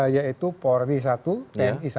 yaitu polri satu tni satu